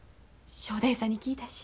正太夫さんに聞いたし。